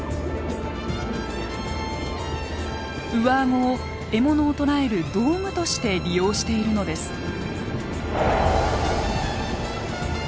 上顎を獲物を捕らえる道具として利用しているのです。